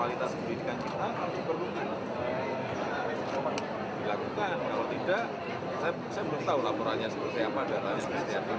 kalau tidak saya belum tahu laporannya seperti apa dan ada yang berarti ada ujian